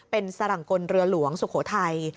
เป็นสรังกลเรือหลวงสุโขทัย